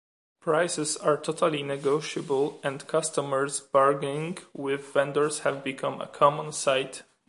Prices are totally negotiable and customers bargaining with vendors have become a common sight.